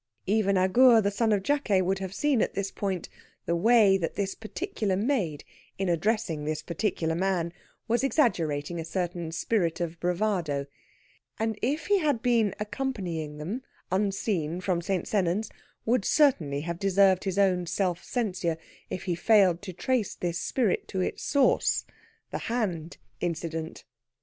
Even Agur, the son of Jakeh, would have seen, at this point, the way that this particular maid, in addressing this particular man, was exaggerating a certain spirit of bravado; and if he had been accompanying them unseen from St. Sennans, would certainly have deserved his own self censure if he had failed to trace this spirit to its source the hand incident.